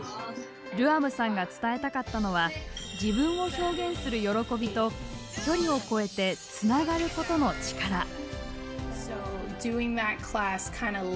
ルアムさんが伝えたかったのは自分を表現する喜びと距離を越えてつながることの力。